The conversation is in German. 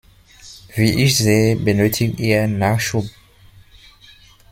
Wie ich sehe, benötigt ihr Nachschub.